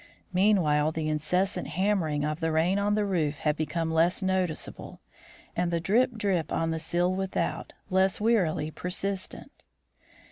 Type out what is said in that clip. Meanwhile the incessant hammering of the rain on the roof had become less noticeable, and the drip, drip, on the sill without, less wearily persistent.